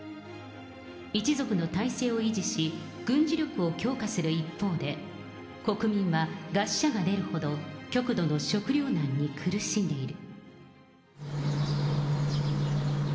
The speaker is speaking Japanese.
一族の体制を維持し、軍事力を強化する一方で、国民は餓死者が出るほど、極度の食糧難に苦しんでいる。